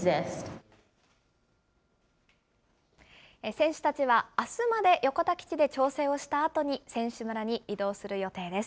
選手たちはあすまで横田基地で調整をしたあとに、選手村に移動する予定です。